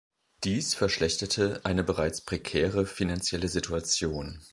Dies verschlechterte eine bereits prekäre finanzielle Situation.